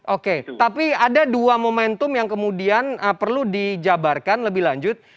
oke tapi ada dua momentum yang kemudian perlu dijabarkan lebih lanjut